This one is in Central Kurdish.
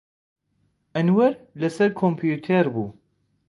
ئەنوەر لەسەر کۆمپیوتەر بوو.